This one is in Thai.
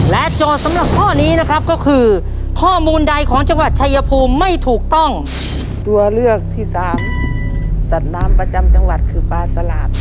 เลือกที่๓สัตว์น้ำประจำจังหวัดคือปลาสลาด